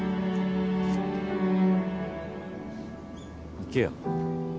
行けよ。